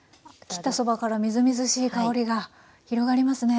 切ったそばからみずみずしい香りが広がりますね。